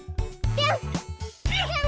ぴょん！